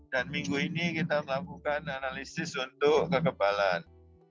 dan minggu ini kita melakukan analisis untuk kekebalan